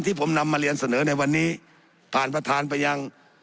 ที่ผมนำมาเรียนเสนอในวันนี้ผ่านประธานไปยัง